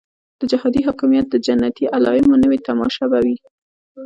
د جهادي حاکمیت د جنتي علایمو نوې تماشه به وي.